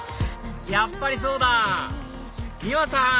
やっぱりそうだｍｉｗａさん